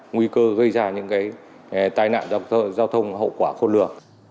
nguy cơ gây ra những cái tai nạn giao thông hậu quả khôn lừa